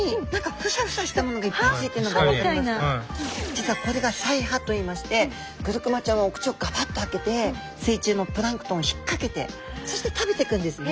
実はこれが鰓耙といいましてグルクマちゃんはお口をがばっと開けて水中のプランクトンを引っ掛けてそして食べていくんですね。